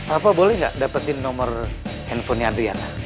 apa boleh ga dapetin nomor handphonenya adriana